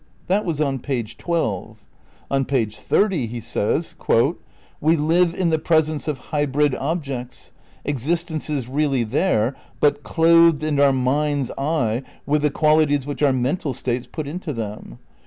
That was on page twelve. On page thirty he says: "we live in the presence of ... hybrid objects — existences really there, but clothed, in our mind's eye, with the qualities which our mental states put into them.